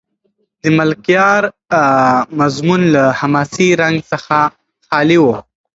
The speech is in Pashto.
د ملکیار مضمون له حماسي رنګ څخه خالي و.